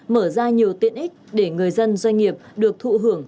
mở ra nhiều tiện ích để người dân doanh nghiệp được thụ hưởng